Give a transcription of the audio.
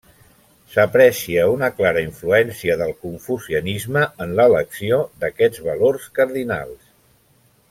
S'aprecia una clara influència del confucianisme en l'elecció d'aquests valors cardinals.